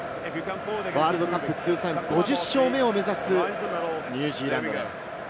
ワールドカップ通算５０勝目を目指すニュージーランドです。